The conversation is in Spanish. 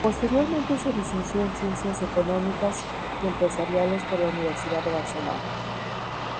Posteriormente se licenció en Ciencias Económicas y Empresariales por la Universidad de Barcelona.